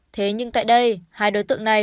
thế nhưng tại đây hai đối tượng này